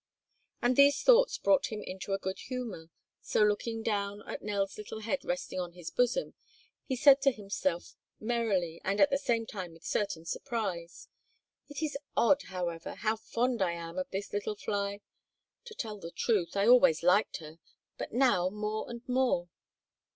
And these thoughts brought him into a good humor; so looking down at Nell's little head resting on his bosom, he said to himself merrily and at the same time with certain surprise: "It is odd, however, how fond I am of this little fly! To tell the truth, I always liked her, but now more and more."